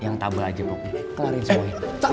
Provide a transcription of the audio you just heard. yang tabel aja bok kelarin semuanya